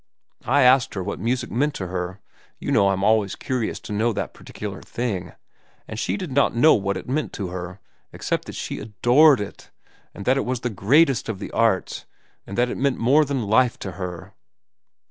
I asked her what music meant to her—you know I'm always curious to know that particular thing; and she did not know what it meant to her, except that she adored it, that it was the greatest of the arts, and that it meant more than life to her."